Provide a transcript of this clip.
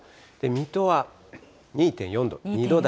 水戸は２．４度、２度台。